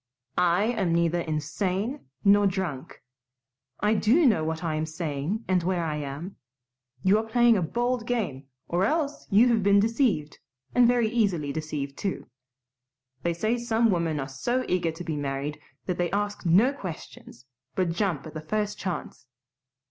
"I am neither insane nor drunk. I do know what I am saying and where I am. You are playing a bold game or else you have been deceived, and very easily deceived, too. They say some women are so eager to be married that they ask no questions, but jump at the first chance.